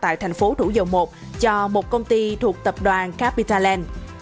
tại thành phố thủ dầu một cho một công ty thuộc tập đoàn capitaland